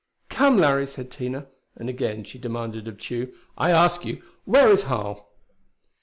"Come, Larry," said Tina. And again she demanded of Tugh, "I ask you, where is Harl?"